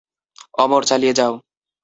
অমর, চালিয়ে যাও!